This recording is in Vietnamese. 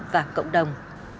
và cộng đồng